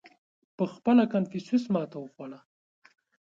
• پهخپله کنفوسیوس ماتې وخوړه.